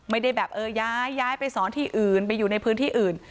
ไม่ได้แบบเออย้ายไปสอนที่อื่นไปอยู่ในพื้นที่อื่น